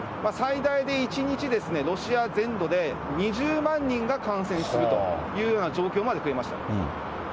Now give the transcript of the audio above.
最大で１日ロシア全土で２０万人が感染するというような状況まで増えました。